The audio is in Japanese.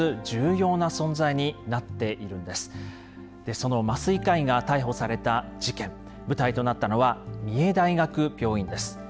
その麻酔科医が逮捕された事件舞台となったのは三重大学病院です。